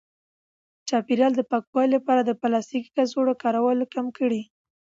د چاپیریال د پاکوالي لپاره د پلاستیکي کڅوړو کارول کم کړئ.